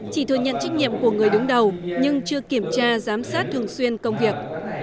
chỉ thừa nhận trách nhiệm của người đứng đầu nhưng chưa kiểm tra giám sát thường xuyên công việc